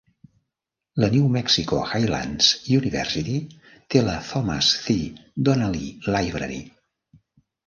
La New Mexico Highlands University té la Thomas C. Donnelly Library.